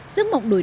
giấc mộng đối tượng